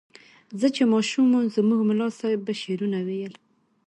زه چې ماشوم وم زموږ ملا صیب به شعرونه ویل.